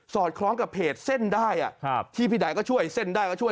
อดคล้องกับเพจเส้นได้ที่พี่ใดก็ช่วยเส้นได้ก็ช่วย